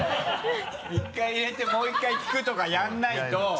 １回入れてもう１回聞くとかやらないと！